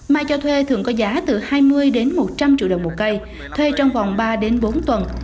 mai cho thuê thường có giá từ hai mươi đến một trăm linh triệu đồng một cây thuê trong vòng ba đến bốn tuần